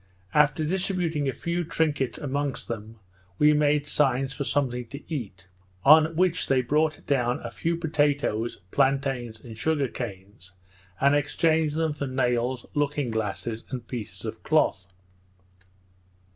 After distributing a few trinkets amongst them, we made signs for something to eat, on which they brought down a few potatoes, plantains, and sugar canes, and exchanged them for nails, looking glasses, and pieces of cloth.